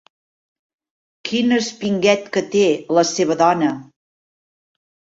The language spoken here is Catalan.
Quin espinguet que té, la seva dona!